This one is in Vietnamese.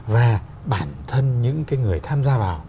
và bản thân những người tham gia vào